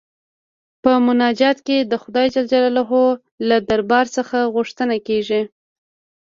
په مناجات کې د خدای جل جلاله له دربار څخه غوښتنه کيږي.